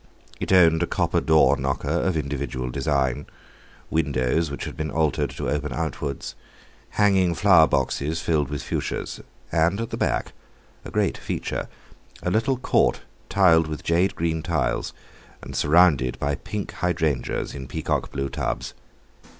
It owned a copper door knocker of individual design, windows which had been altered to open outwards, hanging flower boxes filled with fuchsias, and at the back (a great feature) a little court tiled with jade green tiles, and surrounded by pink hydrangeas in peacock blue tubs.